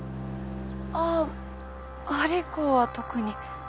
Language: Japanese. あああれ以降は特に。